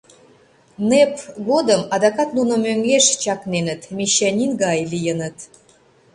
Нэп годым адакат нуно мӧҥгеш чакненыт: мещанин гай лийыныт.